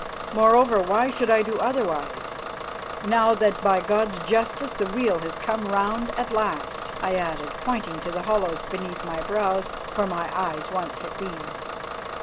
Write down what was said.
Moreover, why should I do otherwise now that by God's justice the wheel has come round at last?" I added, pointing to the hollows beneath my brows where the eyes once had been.